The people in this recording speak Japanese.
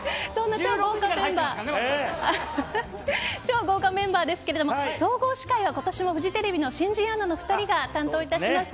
超豪華メンバーですが総合司会は今年もフジテレビの新人アナの２人が担当いたします。